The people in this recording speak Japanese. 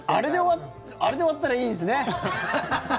あれで終わったらいいですね。